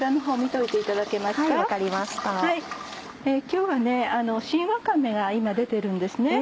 今日は新わかめが今出てるんですね。